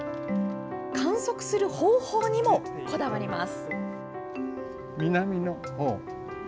観測する方法にも、こだわります。